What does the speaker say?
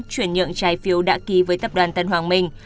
chuyển nhượng trái phiếu đã ký với tập đoàn tân hoàng minh